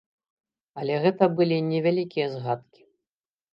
Але гэта былі невялікія згадкі.